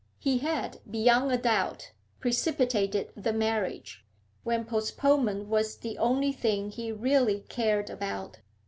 He had, beyond a doubt, precipitated the marriage, when postponement was the only thing he really cared about.